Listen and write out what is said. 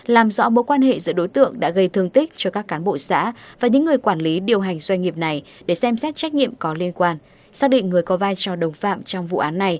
làm rõ mối quan hệ giữa đối tượng đã gây thương tích cho các cán bộ xã và những người quản lý điều hành doanh nghiệp này để xem xét trách nhiệm có liên quan